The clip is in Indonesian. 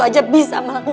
itu password apa